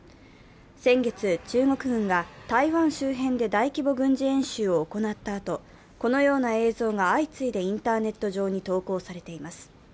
先月、中国軍が台湾周辺で大規模軍事演習を行ったあと、このような映像が相次いでインターネット上に投稿されています。